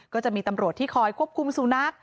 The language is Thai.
ก็จะมีตำรวจที่คอยควบคุมสุนัข